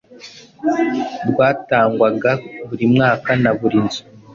Ryatangwaga buri mwaka na buri nzu.